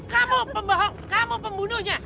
kamu pembohong kamu pembunuhnya